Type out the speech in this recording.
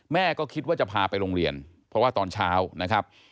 แม่ก็คิดว่าจะพาไปโรงเรียนเพราะว่าตอนเช้านะครับ